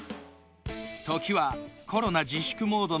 時はコロナ自粛モード